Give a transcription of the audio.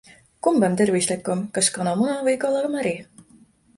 Kumb on tervislikum, kas kanamuna või kalamari?